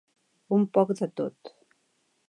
Un poc de tot.